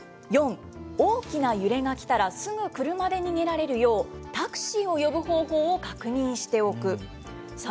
４、大きな揺れが来たらすぐ車で逃げられるよう、タクシーを呼ぶ方法を確認しておく。